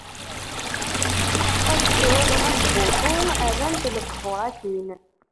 Ad ttruɣ ɣef Buḥu, rran-t lebḥur akin.